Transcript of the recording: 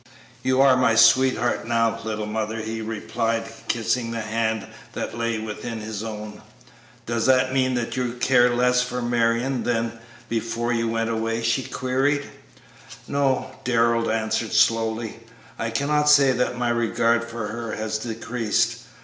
"You are my sweetheart now, little mother," he replied, kissing the hand that lay within his own. "Does that mean that you care less for Marion than before you went away?" she queried. "No," Darrell answered, slowly; "I cannot say that my regard for her has decreased.